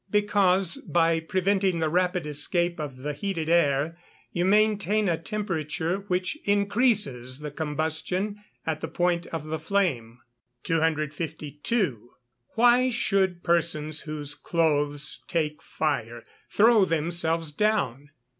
_ Because, by preventing the rapid escape of the heated air, you maintain a temperature which increases the combustion at the point of the flame. 252. _Why should persons whose clothes take fire, throw themselves down?